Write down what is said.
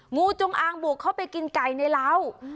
งูจงอางบุกเข้าไปกินไก่ในเหล้า